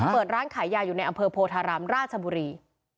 เปิดร้านขายยาอยู่ในอำเภอโพธารามราชบุรี